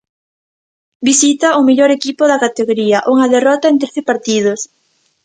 Visita o mellor equipo da categoría, unha derrota en trece partidos.